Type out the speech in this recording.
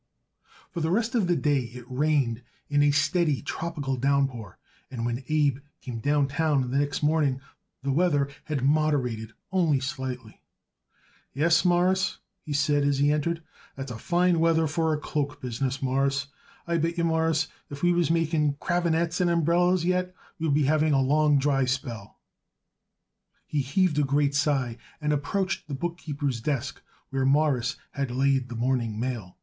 For the rest of the day it rained in a steady, tropical downpour, and when Abe came downtown the next morning the weather had moderated only slightly. "Yes, Mawruss," he said as he entered, "that's a fine weather for a cloak business, Mawruss; and I bet yer, Mawruss, if we was making cravenettes and umbrellas yet we would be having a long dry spell." He heaved a great sigh and approached the bookkeeper's desk, where Morris had laid the morning mail.